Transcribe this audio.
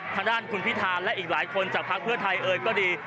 ทางด้านคุณพิธาและอีกหลายคนจากพักเพื่อไทยเอ่ยก็ดี